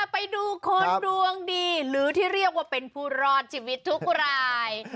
ไปดูคนดวงดีหรือที่เรียกว่าเป็นผู้รอดชีวิตทุกราย